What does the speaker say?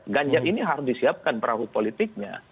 ganjar ini harus disiapkan perahu politiknya